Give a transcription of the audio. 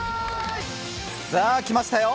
さあ、きましたよ。